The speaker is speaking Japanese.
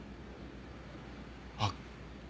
あっ。